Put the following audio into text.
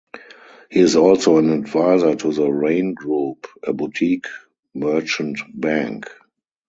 He is also an advisor to the Raine Group, a boutique merchant bank.